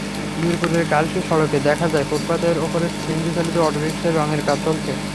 মিরপুরের কালশী সড়কে দেখা যায়, ফুটপাতের ওপরে সিএনজিচালিত অটোরিকশার রংয়ের কাজ চলছে।